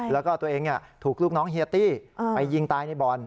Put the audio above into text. แล้วก็ตัวเองถูกลูกน้องเฮียตี้ไปยิงตายในบ่อน